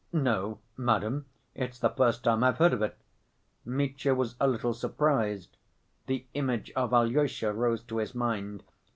"No, madam, it's the first time I've heard of it." Mitya was a little surprised. The image of Alyosha rose to his mind.